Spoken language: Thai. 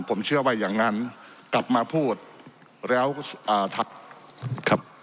ผมเชื่อว่าอย่างนั้นกลับมาพูดแล้วอ่าทักครับ